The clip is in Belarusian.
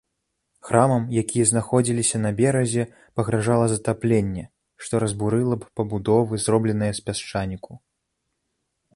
Храмам, якія знаходзіліся на беразе, пагражала затапленне, што разбурыла б пабудовы зробленыя з пясчаніку.